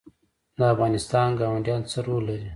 د افغانستان ګاونډیان څه رول لري؟